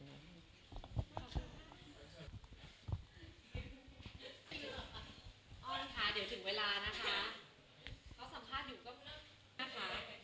สวัสดีครับ